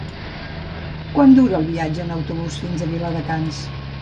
Quant dura el viatge en autobús fins a Viladecans?